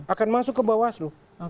akan masuk ke bawah seluruh